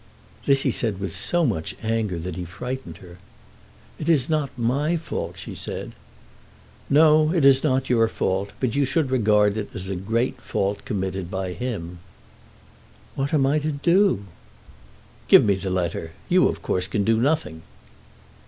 This he said with so much anger that he frightened her. "It is not my fault," she said. "No; it is not your fault. But you should regard it as a great fault committed by him." "What am I to do?" "Give me the letter. You, of course, can do nothing."